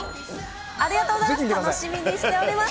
ありがとうございます。